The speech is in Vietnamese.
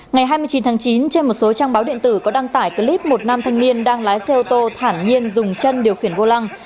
ngày hai mươi chín tháng chín trên một số trang báo điện tử có đăng tải clip một nam thanh niên đang lái xe ô tô thản nhiên dùng chân điều khiển vô lăng